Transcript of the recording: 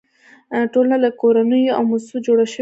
ټولنه له کورنیو او مؤسسو جوړه شوې ده.